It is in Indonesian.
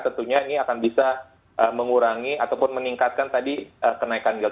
tentunya ini akan bisa mengurangi ataupun meningkatkan tadi kenaikan yid